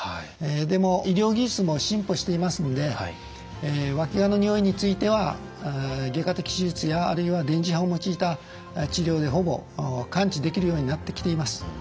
でも医療技術も進歩していますのでわきがのにおいについては外科的手術やあるいは電磁波を用いた治療でほぼ完治できるようになってきています。